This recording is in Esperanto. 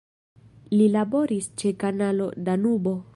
Li laboris ĉe Kanalo Danubo.